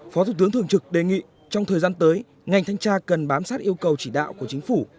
phó thủ tướng thường trực đề nghị trong thời gian tới ngành thanh tra cần bám sát yêu cầu chỉ đạo của chính phủ